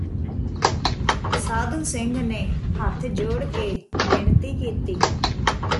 ਸਾਧੂ ਸਿੰਘ ਨੇ ਹੱਥ ਜੋੜ ਕੇ ਬੇਨਤੀ ਕੀਤੀ